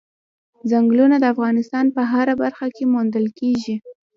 ځنګلونه د افغانستان په هره برخه کې موندل کېږي.